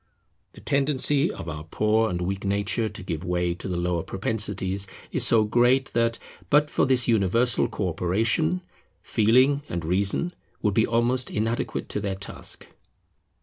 The tendency of our poor and weak nature to give way to the lower propensities is so great that, but for this universal co operation, Feeling and Reason would be almost inadequate to their task.